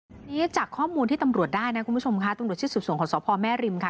ทีนี้จากข้อมูลที่ตำรวจได้นะคุณผู้ชมค่ะตำรวจชิดสุดส่วนของสพแม่ริมค่ะ